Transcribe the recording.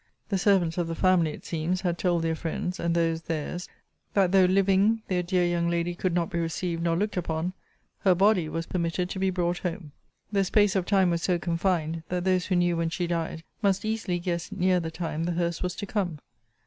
The servants of the family, it seems, had told their friends, and those their's, that though, living, their dear young lady could not be received nor looked upon, her body was permitted to be brought home. The space of time was so confined, that those who knew when she died, must easily guess near the time the hearse was to come.